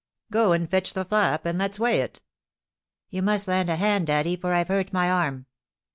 "Go and fetch the flap, and let's weigh it." "You must lend a hand, daddy, for I've hurt my arm."